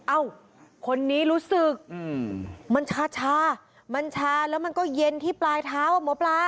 เอ้าคนนี้รู้สึกมันชามันชาแล้วมันก็เย็นที่ปลายเท้าอ่ะหมอปลา